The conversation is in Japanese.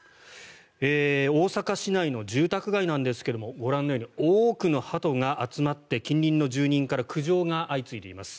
大阪市内の住宅街なんですがご覧のように多くのハトが集まって近隣の住民から苦情が相次いでいます。